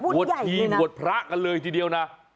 ทีบวชพระกันเลยทีเดียวนะ